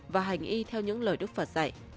và hành y theo những lời đức phật dạy